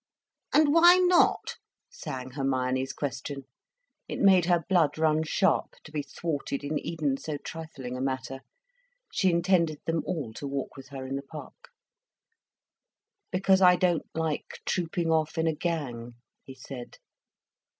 "And why not?" sang Hermione's question. It made her blood run sharp, to be thwarted in even so trifling a matter. She intended them all to walk with her in the park. "Because I don't like trooping off in a gang," he said.